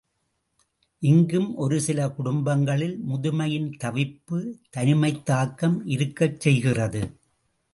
இங்கும் ஒரு சில குடும்பங்களில் முதுமையின் தவிப்பு தனிமைத் தாக்கம் இருக்கச் செய்கிறது.